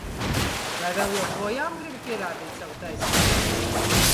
Vai vēl joprojām gribi pierādīt savu taisnību?